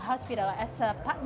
hai selamat pagi